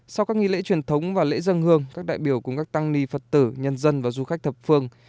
sau các nghi lễ truyền thống và lễ dân hương các đại biểu cùng các tăng ni phật tử nhân dân và du khách thập phương